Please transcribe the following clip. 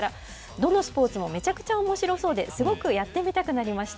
どのスポーツもめちゃくちゃおもしろそうで、すごくやってみたくなりました。